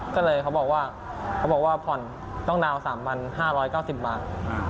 ก็เลยเขาบอกว่าต้องดาวน์๓๕๙๐บาท